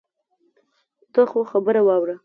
ته خو خبره واوره.